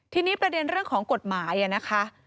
ทีนี้ประเด็นเรื่องของกฎหมายนะคะ